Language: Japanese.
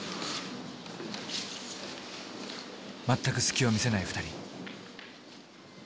全く隙を見せない二人。